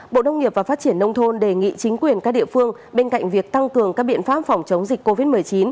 bộ đông nghiệp và phát triển nông thôn đề nghị chính quyền các địa phương bên cạnh việc tăng cường các biện pháp phòng chống dịch covid một mươi chín